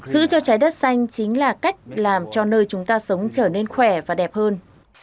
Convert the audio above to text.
giữ cho trái đất xanh chính là cách làm cho nơi chúng ta sống trở nên khỏe và đẹp hơn